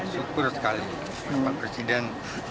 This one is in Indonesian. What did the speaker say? syukur sekali pak presiden